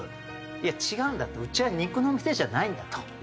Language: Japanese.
「いや違うんだ」って「うちは肉の店じゃないんだ」と。